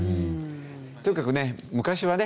とにかくね昔はね